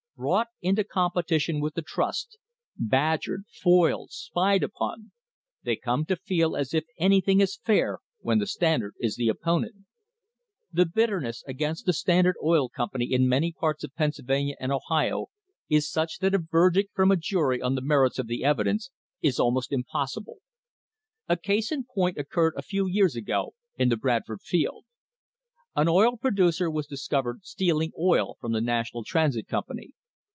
Brought into competition with the trust, badgered, foiled, spied upon, they come to feel as if anything is fair when the Standard is the opponent. The bitterness against the Standard Oil Com pany in many parts of Pennsylvania and Ohio is such that a verdict from a jury on the merits of the evidence is almost impossible! A case in point occurred a few years ago in the Bradford field. An oil producer was discovered stealing oil from the National Transit Company.